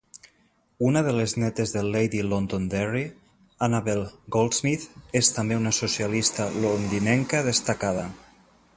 Una de les nétes de Lady Londonderry, Annabel Goldsmith, és també una socialista londinenca destacada.